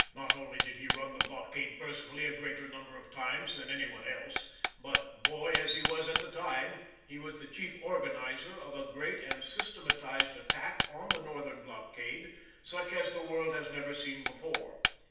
Not only did he run the blockade personally a greater number of times than any one else, but, boy as he was at the time, he was the chief organiser of a great and systematised attack on the Northern blockade, such as the world had never seen before.